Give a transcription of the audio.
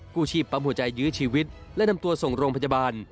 กู้ชีพปั๊มหัวใจยื้อชีวิตและนำตัวส่งโรงพยาบาล